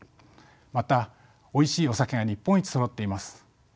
またおいしいお酒が日本一そろっています。